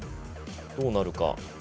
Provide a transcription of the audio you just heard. どうなるか。